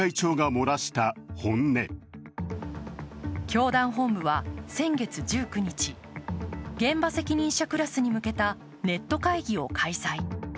教団本部は先月１９日、現場責任者クラスに向けたネット会議を開催。